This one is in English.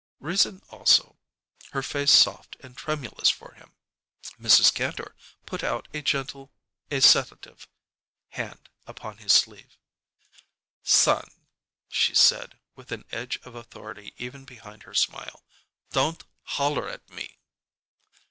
Risen also, her face soft and tremulous for him, Mrs. Kantor put out a gentle, a sedative hand upon his sleeve. "Son," she said, with an edge of authority even behind her smile, "don't holler at me!"